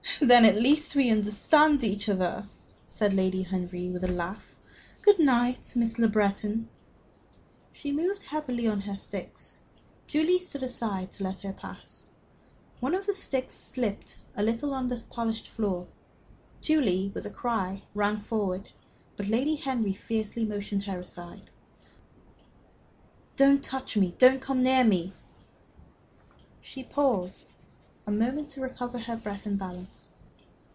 "Then at last we understand each other," said Lady Henry, with a laugh. "Good night, Miss Le Breton." She moved heavily on her sticks. Julie stood aside to let her pass. One of the sticks slipped a little on the polished floor. Julie, with a cry, ran forward, but Lady Henry fiercely motioned her aside. "Don't touch me! Don't come near me!" She paused a moment to recover breath and balance.